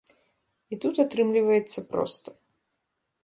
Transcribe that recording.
І тут атрымліваецца проста.